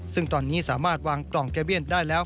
ซึ่งตอนนี้สามารถวางกล่องแกเบี้ยนได้แล้ว